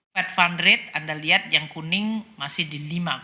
fed fund rate anda lihat yang kuning masih di lima